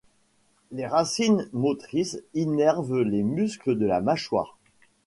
Les racines motrices innervent les muscles de la mâchoire.